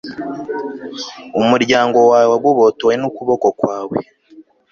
umuryango wawe wagobotowe n'ukuboko kwawe